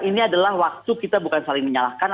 ini adalah waktu kita bukan saling menyalahkan